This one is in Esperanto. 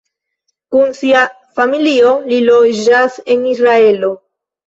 Kun sia familio li loĝas en Israelo.